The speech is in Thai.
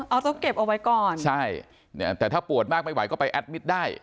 เอาต้องเก็บเอาไว้ก่อนใช่เนี่ยแต่ถ้าปวดมากไม่ไหวก็ไปแอดมิตรได้